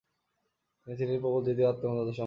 তিনি ছিলেন প্রবল জেদী ও আত্মমর্যাদা সম্পন্ন।